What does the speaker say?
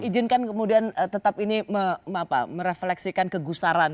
izinkan kemudian tetap ini merefleksikan kegusaran